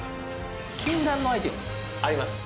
「禁断のアイテムあります」